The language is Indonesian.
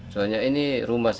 karena ini rumah sakit